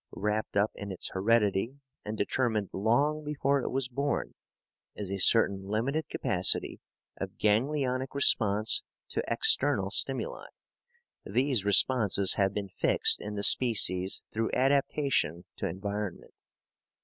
Wrapped up in its heredity, and determined long before it was born, is a certain limited capacity of ganglionic response to eternal stimuli. These responses have been fixed in the species through adaptation to environment.